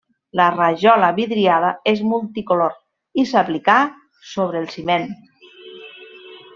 La rajola vidriada és multicolor i s'aplicà sobre el ciment.